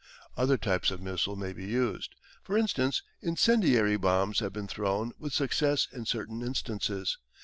Other types of missile may be used. For instance, incendiary bombs have been thrown with success in certain instances.